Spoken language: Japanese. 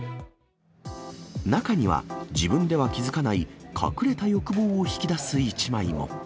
中には自分では気付かない、隠れた欲望を引き出す一枚も。